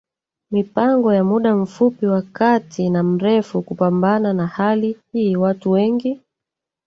mipango ya muda mfupi wa kati na mrefu kupambana na hali hiiWatu wengi